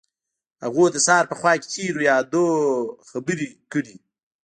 هغوی د سهار په خوا کې تیرو یادونو خبرې کړې.